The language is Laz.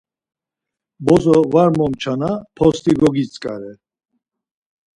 Bozo var momçana post̆i gogitzǩare.